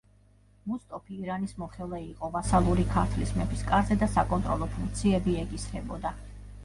მუსტოფი ირანის მოხელე იყო ვასალური ქართლის მეფის კარზე და საკონტროლო ფუნქციები ეკისრებოდა.